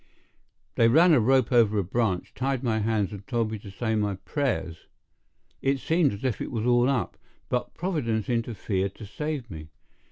They ran the rope over a branch, tied my hands, and told me to say my prayers. It seemed as if it was all up; but Providence interfered to save me.